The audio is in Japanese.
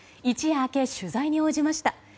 一夜明け、取材に応じました。